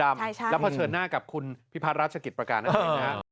แล้วเผชิญหน้ากับคุณพิพัฒนราชกิจประการนั่นเองนะฮะ